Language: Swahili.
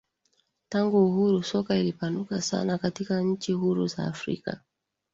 Tangu uhuru soka lilipanuka sana katika nchi huru za Afrika